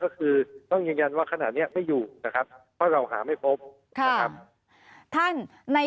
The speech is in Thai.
ก็คือต้องยังยันว่าขนาดนี้ไม่อยู่เพราะเราหาไม่พบใน